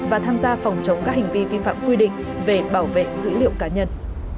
và tham gia phòng chống các hành vi vi phạm quy định về bảo vệ dữ liệu cá nhân